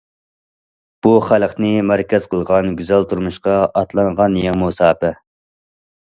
بۇ، خەلقنى مەركەز قىلغان، گۈزەل تۇرمۇشقا ئاتلانغان يېڭى مۇساپە.